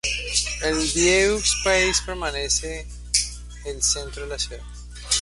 El "Vieux-Pays" permanece el centro de la ciudad.